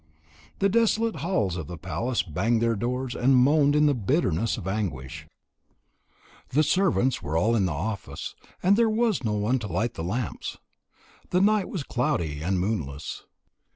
The desolate halls of the palace banged their doors, and moaned in the bitterness of anguish. The servants were all in the office, and there was no one to light the lamps. The night was cloudy and moonless.